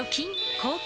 抗菌！